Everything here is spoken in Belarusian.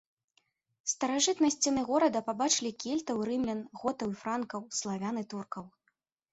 Старажытныя сцены горада пабачылі кельтаў і рымлян, готаў і франкаў, славян і туркаў.